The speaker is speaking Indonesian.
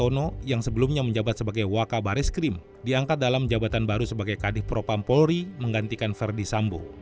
irjen syahardian tono yang sebelumnya menjabat sebagai wakabaris krim diangkat dalam jabatan baru sebagai kadih propam polri menggantikan verdi sambo